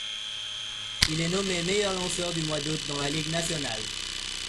Il est nommé meilleur lanceur du mois d'août dans la Ligue nationale.